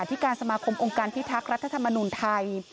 ที่การสมาคมองค์การพิทักษ์รัฐธรรมนุนไทย